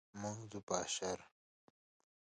موږ ځو په اشر.